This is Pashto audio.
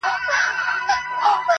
څه دي راوکړل د قرآن او د ګیتا لوري~